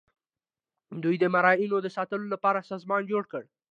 دوی د مرئیانو د ساتلو لپاره سازمان جوړ کړ.